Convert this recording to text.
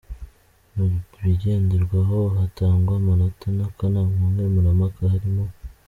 Mu bigenderwaho hatangwa amanota n’akanama nkemurampaka harimo:.